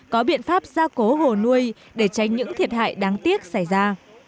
có biện pháp gia cố hồ nuôi để tránh những thiệt hại đáng tiếc xảy ra